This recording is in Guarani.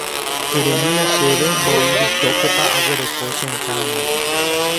eremína chéve mboy vitókepa aguereko che akãme